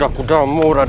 gak n aman mutasi